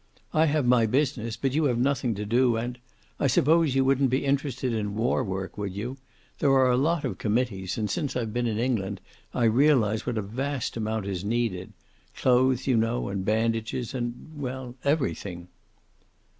I have my business, but you have nothing to do, and I suppose you wouldn't be interested in war work, would you? There are a lot of committees, and since I've been in England I realize what a vast amount is needed. Clothes, you know, and bandages, and well, everything."